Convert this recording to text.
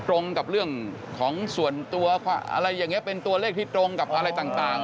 ตรงกับเรื่องของส่วนตัวอะไรอย่างนี้เป็นตัวเลขที่ตรงกับอะไรต่าง